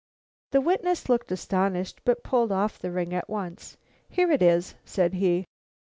The witness looked astonished, but pulled off the ring at once. "Here it is," said he.